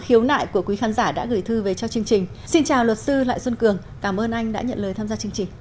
hiếu nại của quý khán giả đã gửi thư về cho chương trình xin chào luật sư lại xuân cường cảm ơn anh đã nhận lời tham gia chương trình